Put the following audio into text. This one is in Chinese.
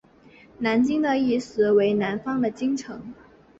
南京意思为南方的京城。